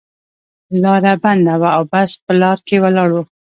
لاره بنده وه او بس په لار کې ولاړ و.